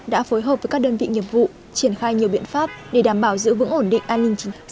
đã phối hợp với các đơn vị nghiệp vụ triển khai nhiều biện pháp để đảm bảo giữ vững ổn định an ninh chính trị